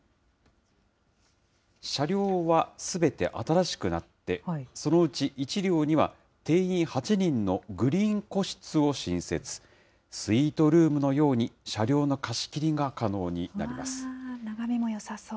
車両はすべて新しくなって、そのうち一両には定員８人のグリーン個室を新設、スイートルームのように車両の貸し切りが可能になり眺めもよさそう。